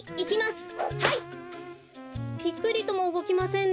ぴくりともうごきませんね。